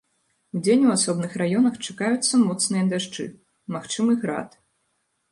Удзень у асобных раёнах чакаюцца моцныя дажджы, магчымы град.